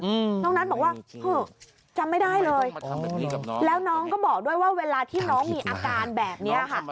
อืมน้องนัทบอกว่าเถอะจำไม่ได้เลยแล้วน้องก็บอกด้วยว่าเวลาที่น้องมีอาการแบบเนี้ยค่ะ